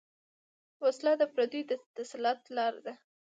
وسله د پردیو د تسلط لاره ده